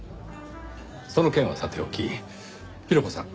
その件はさておきヒロコさん